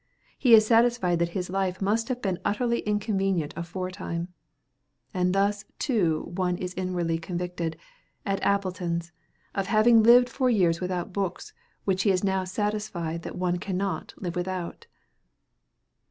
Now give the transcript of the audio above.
He is satisfied that his life must have been utterly inconvenient aforetime. And thus too one is inwardly convicted, at Appletons', of having lived for years without books which he is now satisfied that one cannot live without!